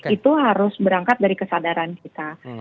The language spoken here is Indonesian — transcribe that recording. itu harus berangkat dari kesadaran kita